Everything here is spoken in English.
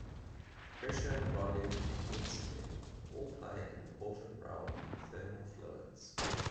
Pressure, volume, and density all play an important role in thermal fluids.